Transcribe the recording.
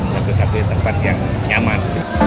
satu satunya tempat yang nyaman